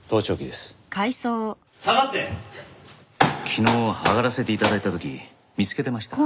昨日上がらせて頂いた時見つけてました。